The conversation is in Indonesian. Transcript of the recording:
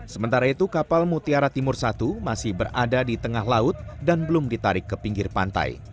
sementara itu kapal mutiara timur satu masih berada di tengah laut dan belum ditarik ke pinggir pantai